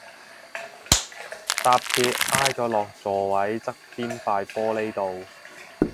搭鐵挨咗落座位側邊塊玻璃度